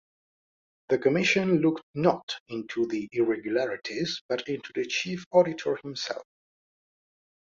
The Commission looked not into the irregularities, but into the Chief Auditor himself.